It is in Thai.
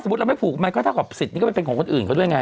สมมุติว่าไม่ผูกก็เท่าสิทธิ์นี่ก็ไม่เป็นของคนอื่นเขาด้วยไง